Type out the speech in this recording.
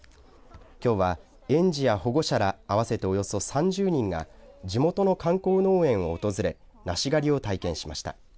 きょうは園児や保護者ら合わせておよそ３０人が地元の観光農園を訪れ梨狩りを体験しました。